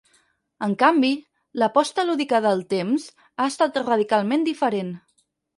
En canvi, l'aposta lúdica de "El Temps" ha estat radicalment diferent.